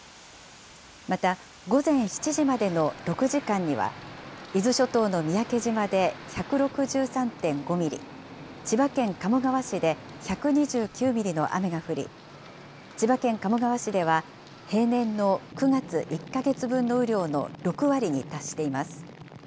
また、午前７時までの６時間には、伊豆諸島の三宅島で１６３．５ミリ、千葉県鴨川市で１２９ミリの雨が降り、千葉県鴨川市では平年の９月１か月分の雨量の６割に達しています。